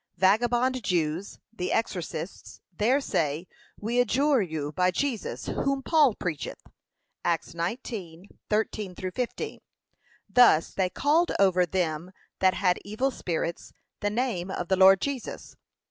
vagabond Jews, the exorcists, there say, 'We adjure you by Jesus, whom Paul preacheth.' (Acts 19:13 15) Thus they called over them that had evil spirits, the name of the Lord Jesus.